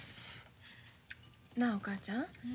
なあお母ちゃん